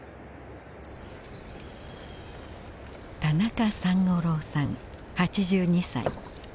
田中三五郎さん８２歳。